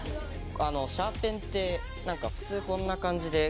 シャーペンって普通こんな感じで。